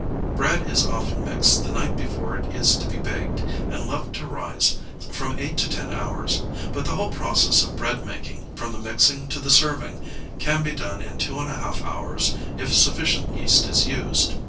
] Bread is often mixed the night before it is to be baked, and left to rise from eight to ten hours; but the whole process of bread making, from the mixing to the serving, can be done in two and a half hours if sufficient yeast is used.